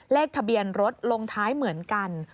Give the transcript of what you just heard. เลขทะเบียนรถลงท้ายเหมือนกัน